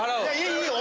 いいよ